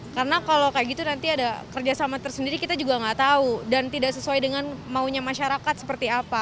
karena kalau kayak gitu nanti ada kerjasama tersendiri kita juga nggak tahu dan tidak sesuai dengan maunya masyarakat seperti apa